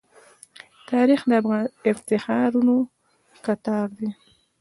تاریخ د افتخارو کتار دی.